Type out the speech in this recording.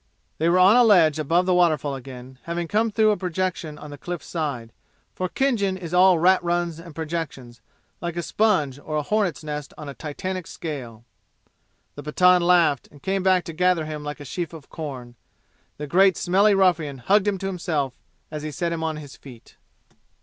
They were on a ledge above the waterfall again, having come through a projection on the cliff's side, for Khinjan is all rat runs and projections, like a sponge or a hornet's nest on a titanic scale. The Pathan laughed and came back to gather him like a sheaf of corn. The great smelly ruffian hugged him to himself as he set him on his feet.